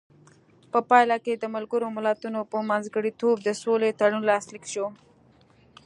په پایله کې د ملګرو ملتونو په منځګړیتوب د سولې تړون لاسلیک شو.